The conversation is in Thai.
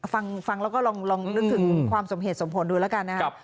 ฟังแล้วก็ลองนึกถึงความสมเหตุสมผลดูแล้วกันนะครับ